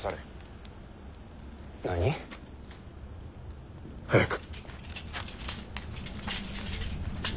何？早く。